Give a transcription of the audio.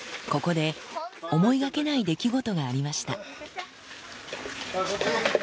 ここで、思いがけない出来事がありました。